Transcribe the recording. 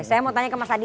saya mau tanya ke mas adi